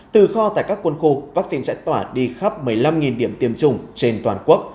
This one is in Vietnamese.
từ kho tại các quân khu vaccine sẽ tỏa đi khắp một mươi năm điểm tiêm chủng trên toàn quốc